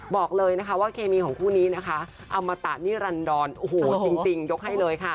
บอกเลยนะคะว่าเคมีของคู่นี้นะคะอมตะนิรันดรโอ้โหจริงยกให้เลยค่ะ